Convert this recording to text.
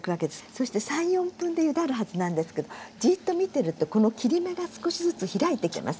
そして３４分でゆだるはずなんですけどじっと見てるとこの切り目が少しずつ開いてきます。